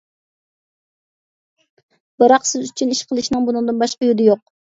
بىراق، سىز ئۈچۈن ئىش قىلىشنىڭ بۇنىڭدىن باشقا يولى يوق.